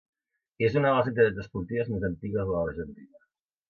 És una de les entitats esportives més antigues de l'Argentina.